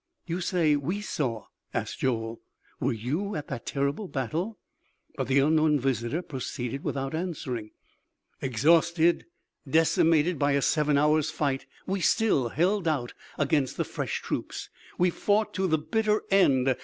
"You say 'We saw'?" asked Joel. "Were you at that terrible battle?" But the unknown visitor proceeded without answering: "Exhausted, decimated by a seven hours' fight, we still held out against the fresh troops ... we fought to the bitter end